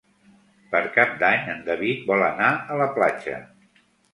Per Cap d'Any en David vol anar a la platja.